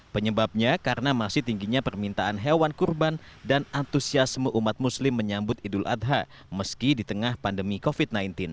penyebabnya karena masih tingginya permintaan hewan kurban dan antusiasme umat muslim menyambut idul adha meski di tengah pandemi covid sembilan belas